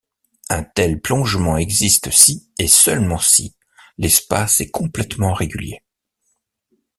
Un tel plongement existe si et seulement si l'espace est complètement régulier.